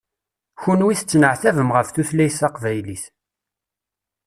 Kunwi tettneɛtabem ɣef tutlayt taqbaylit.